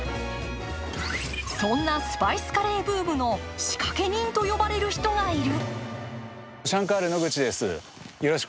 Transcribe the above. そんなスパイスカレーブームの仕掛け人と呼ばれる人がいる。